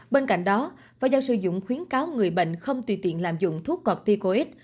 bên cạnh đó phải giao sử dụng khuyến cáo người bệnh không tùy tiện làm dụng thuốc corticoid